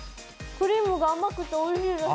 クリームが甘くておいしいです。